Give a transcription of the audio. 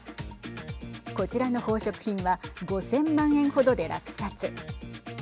こちらの宝飾品は５０００万円程で落札。